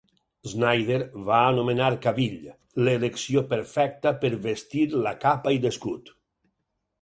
Snyder va anomenar Cavill "l'elecció perfecta per vestir la capa i l'escut".